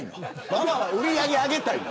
ママは売り上げ上げたいの。